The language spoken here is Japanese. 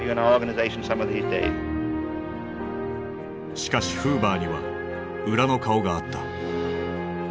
しかしフーバーには裏の顔があった。